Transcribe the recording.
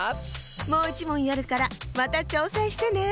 もういちもんやるからまたちょうせんしてね。